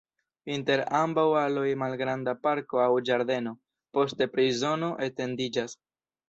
Inter ambaŭ aloj malgranda parko aŭ ĝardeno, poste prizono etendiĝas.